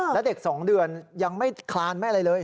และเด็ก๒เดือนยังไม่คลานไม่อะไรเลย